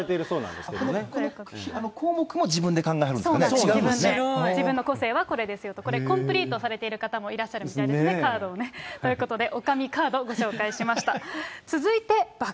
これ、自分で申告されているそうこの項目も自分で考えるんで自分の個性はこれですよと、これ、コンプリートされている方もいらっしゃるみたいですね、カードをね。ということで、女将カード、ご紹介しました。